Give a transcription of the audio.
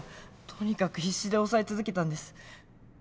とにかく必死で押さえ続けたんです。